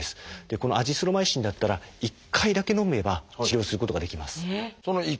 このアジスロマイシンだったら１回だけのめば治療することができます。